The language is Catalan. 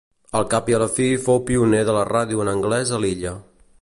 Al cap i a la fi fou pioner de la ràdio en anglès a l'illa.